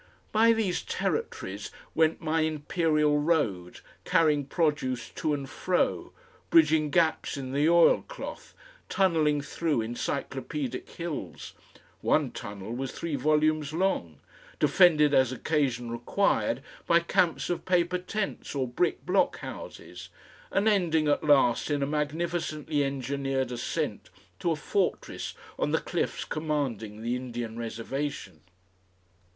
By these territories went my Imperial Road carrying produce to and fro, bridging gaps in the oilcloth, tunnelling through Encyclopaedic hills one tunnel was three volumes long defended as occasion required by camps of paper tents or brick blockhouses, and ending at last in a magnificently engineered ascent to a fortress on the cliffs commanding the Indian reservation.